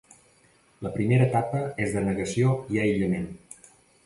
La primera etapa és de negació i aïllament.